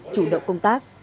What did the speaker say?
chủ động công tác